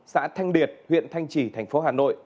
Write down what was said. xã thanh liệt huyện thanh trì thành phố hà nội